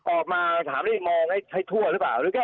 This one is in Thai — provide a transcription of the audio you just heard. ออกมาถามไรนี่มองให้ถ้วหรือเปล่าหรือก็